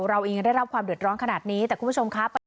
เราเองได้รับความเดือดร้อนขนาดนี้แต่คุณผู้ชมครับ